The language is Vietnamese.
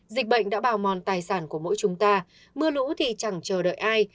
dịch bệnh đã bào mòn tài sản của mỗi chúng ta mưa lũ thì chẳng chờ đợi ai